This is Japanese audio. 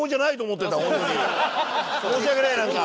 申し訳ないなんか。